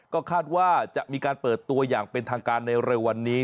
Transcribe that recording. ก็คาดว่าจะมีการเปิดตัวอย่างเป็นทางการในเร็ววันนี้